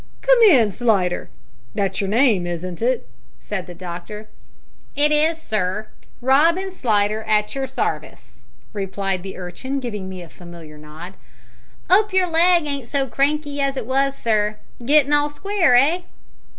"Come in, Slidder that's your name, isn't it?" said the doctor. "It is, sir Robin Slidder, at your sarvice," replied the urchin, giving me a familiar nod. "'Ope your leg ain't so cranky as it wos, sir. Gittin' all square, eh?"